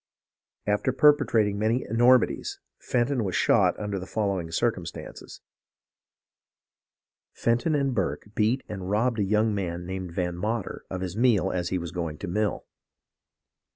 "After perpetrating many enormities, Fenton was shot under the following circumstances : Fenton and Burke beat and robbed a young man named Van Mater of his meal as he was going to mill.